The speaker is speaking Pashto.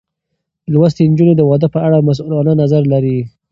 لوستې نجونې د واده په اړه مسؤلانه نظر لري.